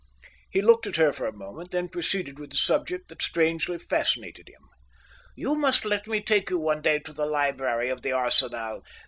He looked at her for a moment, then proceeded with the subject that strangely fascinated him. "You must let me take you one day to the library of the Arsenal.